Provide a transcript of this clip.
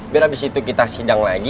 biar habis itu kita sidang lagi